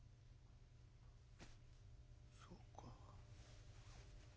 「そうか。